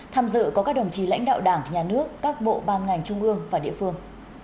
tham dự có các đồng chí lãnh đạo đảng nhà nước các bộ ban ngành trung ương và địa phương